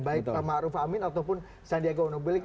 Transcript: baik sama arief amin ataupun sandiaga uno